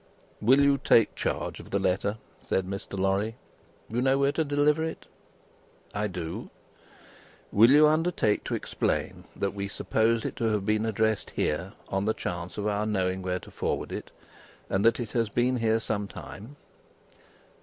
"Will you take charge of the letter?" said Mr. Lorry. "You know where to deliver it?" "I do." "Will you undertake to explain, that we suppose it to have been addressed here, on the chance of our knowing where to forward it, and that it has been here some time?"